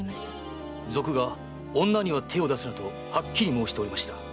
賊が「女には手を出すな」とはっきり申しておりました。